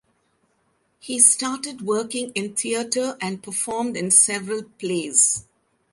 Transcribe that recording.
He started working in theatre and performed in several plays.